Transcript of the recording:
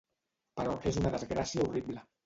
Però és una desgràcia horrible.